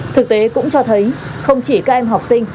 thực tế cũng cho thấy không chỉ các em học sinh